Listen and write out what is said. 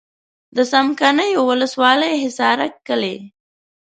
د څمکنیو ولسوالي حصارک کلی.